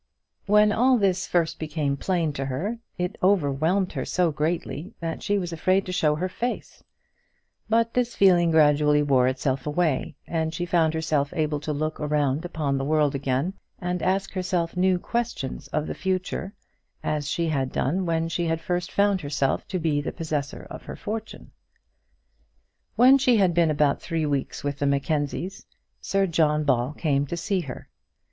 When all this first became plain to her, it overwhelmed her so greatly that she was afraid to show her face; but this feeling gradually wore itself away, and she found herself able to look around upon the world again, and ask herself new questions of the future, as she had done when she had first found herself to be the possessor of her fortune. When she had been about three weeks with the Mackenzies, Sir John Ball came to see her.